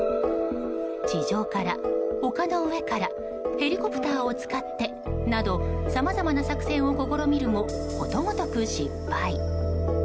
地上から、丘の上からヘリコプターを使ってなどさまざまな作戦を試みるもことごとく失敗。